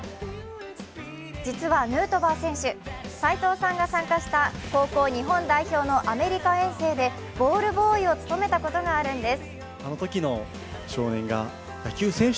実はヌートバー選手、斎藤さんが参加した高校日本代表のアメリカ遠征でボールボーイを務めたことがあるんです。